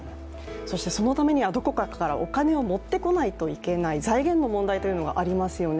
そしてそのためにはどこかからお金を持ってこなければいけない、財源の問題というのがありますよね。